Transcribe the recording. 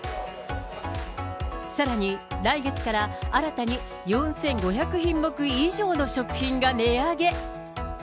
さらに、来月から新たに４５００品目以上の食品が値上げ。